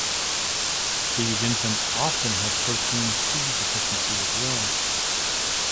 These infants often have protein C deficiency as well.